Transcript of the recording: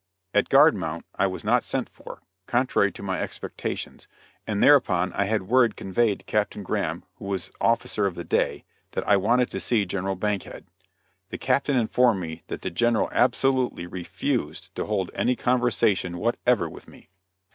At guard mount I was not sent for, contrary to my expectations, and thereupon I had word conveyed to Captain Graham, who was officer of the day, that I wanted to see General Bankhead. The Captain informed me that the General absolutely refused to hold any conversation whatever with me.